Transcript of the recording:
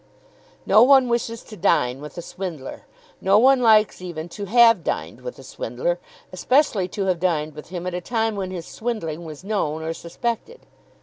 No one wishes to dine with a swindler. No one likes even to have dined with a swindler, especially to have dined with him at a time when his swindling was known or suspected.